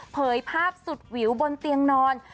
เผยภาพสุดวิวบนเตียงนอน